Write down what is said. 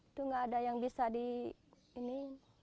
itu nggak ada yang bisa di ini